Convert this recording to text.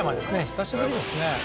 久しぶりですね